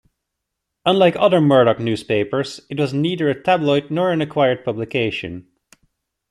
Unlike other Murdoch newspapers, it was neither a tabloid nor an acquired publication.